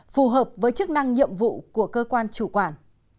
phù hợp với chức năng nhiệm vụ của cơ quan chủ quản